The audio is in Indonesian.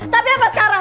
tapi apa sekarang